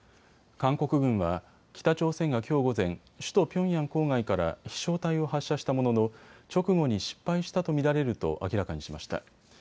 韓国軍は北朝鮮がきょう午前、首都ピョンヤン郊外から飛しょう体を発射したものの直後に失敗したと見られると明らかにしました。